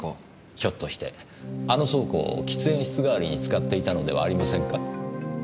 ひょっとしてあの倉庫を喫煙室代わりに使っていたのではありませんか？